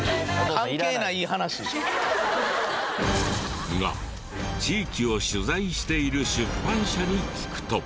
関係ない話。が地域を取材している出版社に聞くと。